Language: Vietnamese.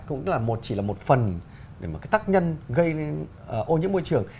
cũng chỉ là một phần để mà tác nhân gây ô nhiễm môi trường